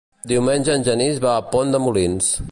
Diumenge en Genís va a Pont de Molins.